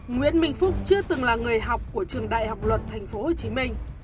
nguyễn minh phúc chưa từng là người học của trường đại học luật tp hcm